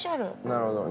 なるほど。